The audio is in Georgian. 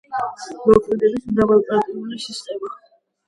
მოქმედებს მრავალპარტიული სისტემა.